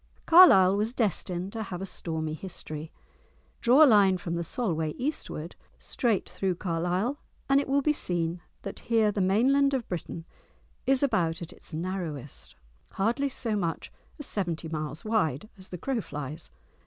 Carlisle was destined to have a stormy history. Draw a line from the Solway eastward, straight through Carlisle, and it will be seen that here the mainland of Britain is about at its narrowest, hardly so much as seventy miles wide, as the crow flies.